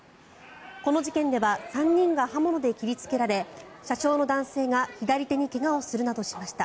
この事件では３人が刃物で切りつけられ車掌の男性が左手に怪我をするなどしました。